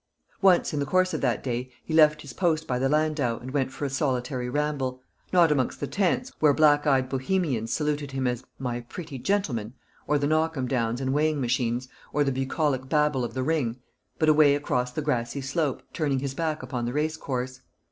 Once in the course of that day he left his post by the landau, and went for a solitary ramble; not amongst the tents, where black eyed Bohemians saluted him as "my pretty gentleman," or the knock 'em downs and weighing machines, or the bucolic babble of the ring, but away across the grassy slope, turning his back upon the racecourse.